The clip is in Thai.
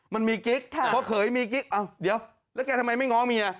มันมีกิ๊กพ่อเขยมีกิ๊กอ้าวเดี๋ยวแล้วแกทำไมไม่ง้อเมีย